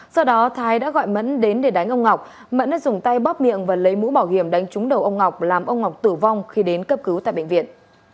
sau đó thái đã gọi mẫn đến để đánh ông ngọc mẫn đã dùng tay bóp miệng và lấy mũ bảo hiểm đánh trúng đầu ông ngọc làm ông ngọc tử vong khi đến cấp cứu tại bệnh viện